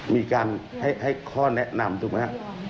มีการให้ข้อแนะนำถูกไหมครับ